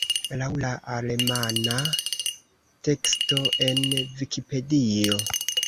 Laŭ la alemana teksto en Vikipedio.